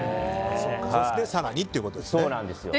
そして更にということですね。